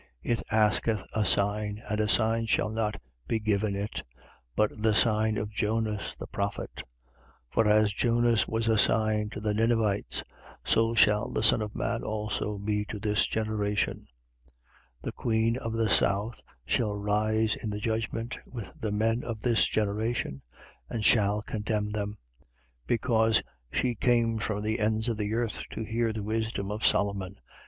It asketh a sign: and a sign shall not be given it, but the sign of Jonas the prophet. 11:30. For as Jonas was a sign to the Ninivites; so shall the Son of man also be to this generation. 11:31. The queen of the south shall rise in the judgment with the men of this generation and shall condemn them: because she came from the ends of the earth to hear the wisdom of Solomon.